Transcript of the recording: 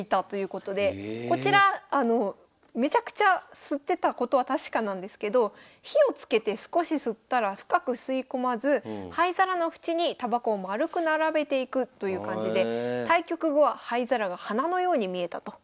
こちらめちゃくちゃ吸ってたことは確かなんですけど火をつけて少し吸ったら深く吸い込まず灰皿の縁にたばこをまるく並べていくという感じで対局後は灰皿が花のように見えたと。